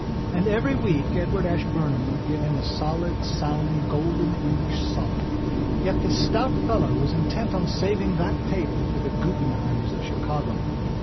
And every week Edward Ashburnham would give him a solid, sound, golden English sovereign. Yet this stout fellow was intent on saving that table for the Guggenheimers of Chicago.